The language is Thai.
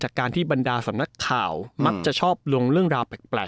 การที่บรรดาสำนักข่าวมักจะชอบลงเรื่องราวแปลก